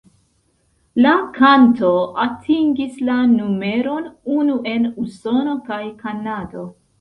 La kanto atingis la numeron unu en Usono kaj Kanado.